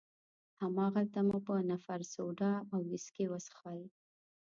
هماغلته مو په نفر سوډا او ویسکي وڅښل.